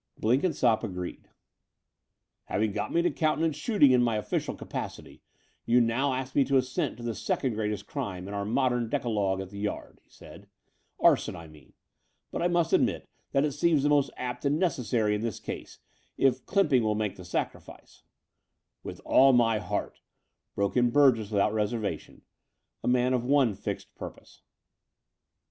Blenkinsopp agreed. Having got me to countenance shooting in my official capacity, you now ask me to assent to the second greatest crime in our modem decalogue at the Yard,'^ he said — ''arson, I mean: but I must admit that it seems to be most apt and necessary in this case, if Clymping will make the sacrifice " "With all my heart," broke in Burgess without reservation— a man of one fixed purpose.